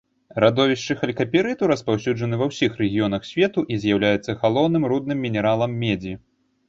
Радовішчы халькапірыту распаўсюджаны ва ўсіх рэгіёнах свету і з'яўляюцца галоўным рудным мінералам медзі.